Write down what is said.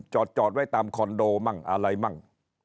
จอดไว้ตามคอนโดมั่งอะไรมั่ง